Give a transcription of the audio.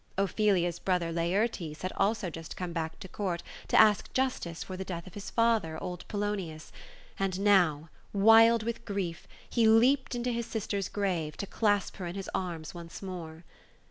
Ophelia's brother, Laertes, had also just come to Court to ask justice for the death of his father, old Polonius ; and now, wild with 48 THE CHILDREN'S SHAKESPEARE. grief, he leaped into his sister*s grave, to clasp her in his arms once more.